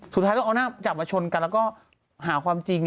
สุดท้ายก็เอาหน้าจัดมาชนกันก็หาความจริง